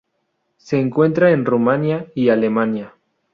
Se encuentra en Rumania y Alemania.